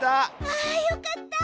ああよかった。